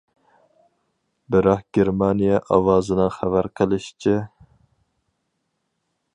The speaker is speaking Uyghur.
بىراق گېرمانىيە ئاۋازىنىڭ خەۋەر قىلىشىچە.